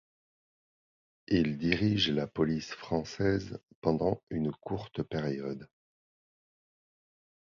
Il dirige la police française pendant une courte période.